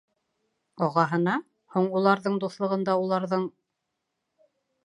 Ағаһына? һуң, уларҙың дуҫлығында, уларҙың